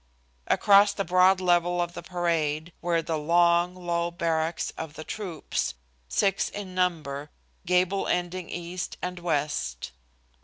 Across the broad level of the parade were the long, low barracks of the troops, six in number, gable ending east and west.